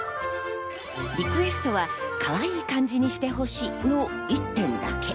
リクエストはかわいい感じにしてほしいの一点だけ。